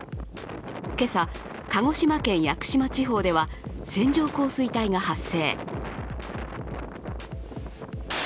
今朝、鹿児島県屋久島地方では線状降水帯が発生。